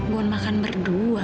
buat makan berdua